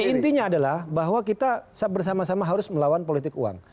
tapi intinya adalah bahwa kita bersama sama harus melawan politik uang